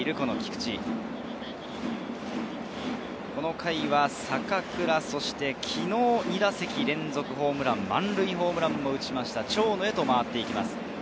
この回は坂倉、そして昨日２打席連続ホームラン、満塁ホームランを打ちました長野へ回っていきます。